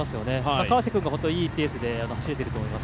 川瀬君はいいペースで走れていると思います。